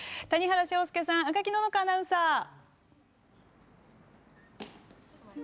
谷原章介さん赤木野々花アナウンサー。